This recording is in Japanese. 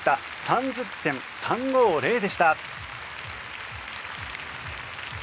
３０．３５０でした。